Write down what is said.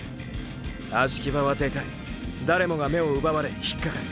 葦木場はでかい誰もが目をうばわれ引っかかる。